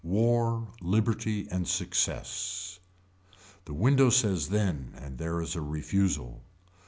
War liberty and success. The window says then and there is a refusal.